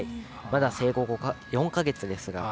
まだ生後４か月ですが。